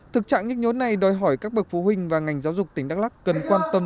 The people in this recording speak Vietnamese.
thực trạng nhức nhối này đòi hỏi các bậc phụ huynh và ngành giáo dục tỉnh đắk lắc cần quan tâm